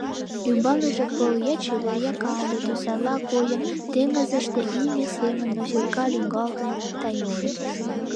Ӱмбалныже пыл я чевер, я канде тӱсанла койын, теҥызыште ийме семын носилка лӱҥгалтын, тайнен.